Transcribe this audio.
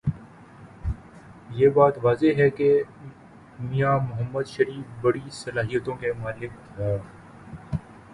یہ بات واضح ہے کہ میاں محمد شریف بڑی صلاحیتوں کے مالک ہوں۔